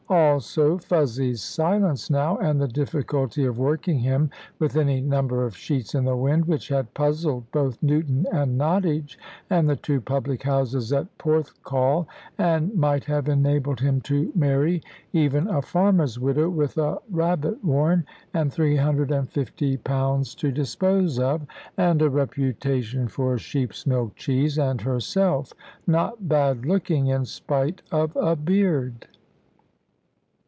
Also Fuzzy's silence now, and the difficulty of working him (with any number of sheets in the wind), which had puzzled both Newton and Nottage, and the two public houses at Porthcawl, and might have enabled him to marry even a farmer's widow with a rabbit warren, and £350 to dispose of, and a reputation for sheep's milk cheese, and herself not bad looking, in spite of a beard.